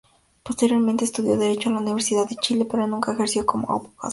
Posteriormente estudió derecho en la Universidad de Chile, pero nunca ejerció como abogado.